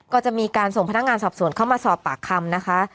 ก็จะมีการส่งพนักงานสอบสวนเข้ามาสอบปากคำนะคะ